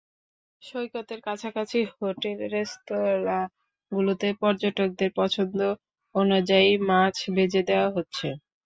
সৈকতের কাছাকাছি হোটেল– রেস্তোরাঁগুলোতে পর্যটকদের পছন্দ অনুযায়ী মাছ ভেজে দেওয়া হচ্ছে।